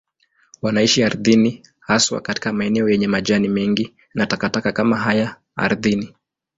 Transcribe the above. Wanaishi ardhini, haswa katika maeneo yenye majani mengi na takataka kama haya ardhini.